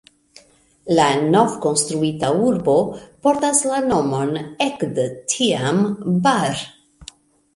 La novkonstruita urbo portas la nomon ekde tiam "Bar".